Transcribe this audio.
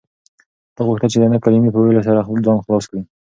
ده غوښتل چې د نه کلمې په ویلو سره ځان خلاص کړي.